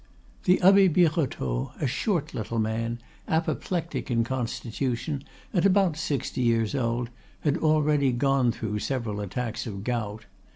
The Abbe Birotteau, a short little man, apoplectic in constitution and about sixty years old, had already gone through several attacks of gout.